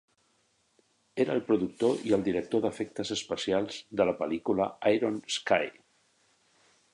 Era el productor i el director d'efectes especials de la pel·lícula "Iron Sky".